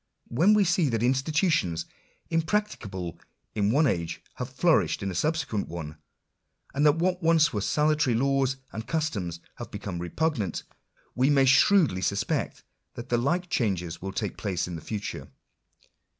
When we see that institutions impracticable in one age have flourished in a subsequent one ; and that what were once salutary laws and customs have become repugnant; we may shrewdly suspect that the like changes will take place in future.